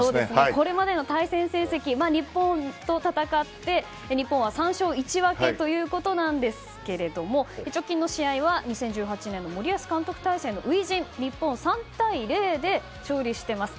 これまでの対戦成績は日本と戦って日本は３勝１分けということなんですが直近の試合は２０１８年の森保監督体制の初陣で日本は３対０で勝利しています。